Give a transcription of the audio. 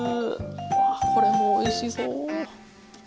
わぁこれもおいしそう。